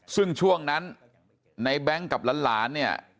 ซึ่งช่วงนั้นในแบงค์กับหลานเนี่ย